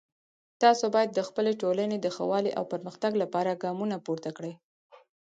تاسو باید د خپلې ټولنې د ښه والی او پرمختګ لپاره ګامونه پورته کړئ